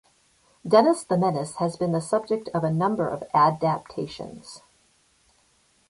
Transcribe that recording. "Dennis the Menace" has been the subject of a number of adaptations.